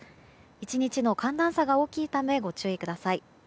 １日の寒暖差が大きいためご注意ください。